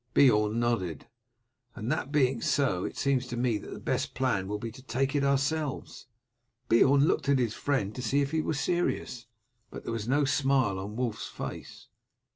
Beorn nodded. "And that being so, it seems to me that the best plan will be to take it ourselves." Beorn looked at his friend to see if he were serious, but there was no smile on Wulf's face.